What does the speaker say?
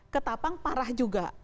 ketapang parah juga